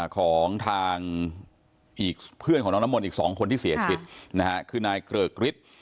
ของทางเพื่อนของน้องน้ำมนต์อีกสองคนที่เสียชิตคือนายเกรอกฤทธิ์